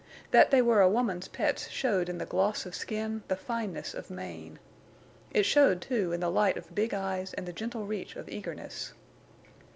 That they were a woman's pets showed in the gloss of skin, the fineness of mane. It showed, too, in the light of big eyes and the gentle reach of eagerness.